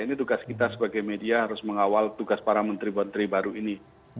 ini tugas kita sebagai media harus mengawal tugas para menteri menteri baru ini